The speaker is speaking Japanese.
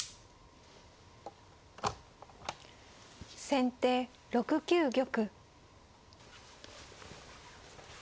先手６九玉。